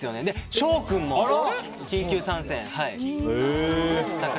翔君も緊急参戦。